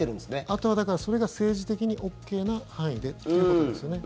あとはそれが政治的にＯＫな範囲でということですね。